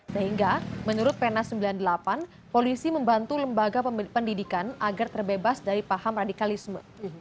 sehingga menurut pena sembilan puluh delapan polisi membantu lembaga pendidikan agar terbebas dari paham radikalisme